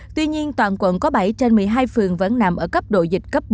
tuy nhiên toàn quận có bảy trên một mươi hai phường vẫn nằm ở cấp độ dịch cấp bốn